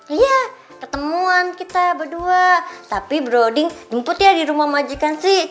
iya ketemuan kita berdua tapi browding jemput ya di rumah majikan sih